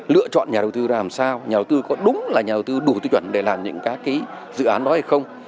lựa chọn nhà đầu tư làm sao nhà đầu tư có đúng là nhà đầu tư đủ tư chuẩn để làm những dự án đó hay không